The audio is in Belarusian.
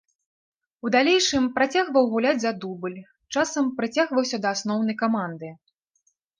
У далейшым працягваў гуляць за дубль, часам прыцягваўся да асноўнай каманды.